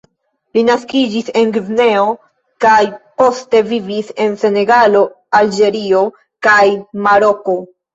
Li naskiĝis en Gvineo kaj poste vivis en Senegalo, Alĝerio kaj Maroko.